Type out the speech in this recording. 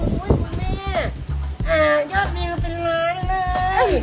อุ้ยคุณแม่ยอดดีกว่าเป็นอะไรเลย